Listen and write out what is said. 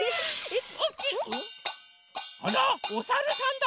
あらおさるさんだ！